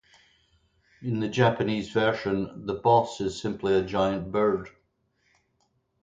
In the Japanese version, the boss is simply a giant bird.